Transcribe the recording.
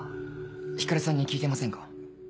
光莉さんに聞いてませんか？